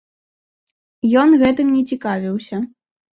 Ён гэтым не цікавіўся.